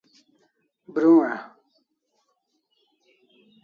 Bru'an